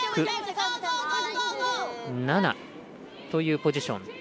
７というポジション。